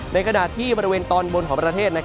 ในขณะที่บริเวณตอนบนของประเทศ